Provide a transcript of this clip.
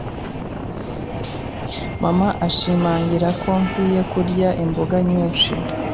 Mama ashimangira ko nkwiye kurya imboga nyinshi.